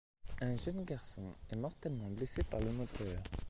Un jeune garçon est mortellement blessé par le moteur.